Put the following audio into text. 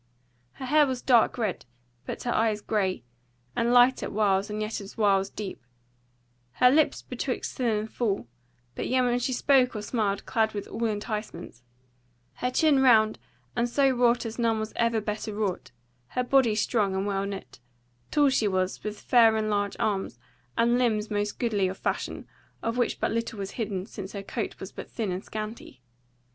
Her hair was dark red, but her eyes grey, and light at whiles and yet at whiles deep; her lips betwixt thin and full, but yet when she spoke or smiled clad with all enticements; her chin round and so wrought as none was ever better wrought; her body strong and well knit; tall she was, with fair and large arms, and limbs most goodly of fashion, of which but little was hidden, since her coat was but thin and scanty.